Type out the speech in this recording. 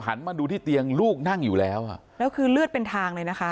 มาดูที่เตียงลูกนั่งอยู่แล้วอ่ะแล้วคือเลือดเป็นทางเลยนะคะ